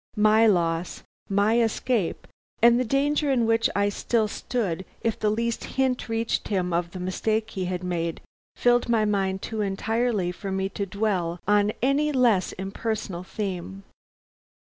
My loss, my escape, and the danger in which I still stood if the least hint reached him of the mistake he had made, filled my mind too entirely for me to dwell on any less impersonal theme.